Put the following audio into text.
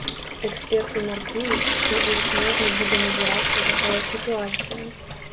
Эксперты мяркуюць, што і ў снежні будзе назірацца такая сітуацыя.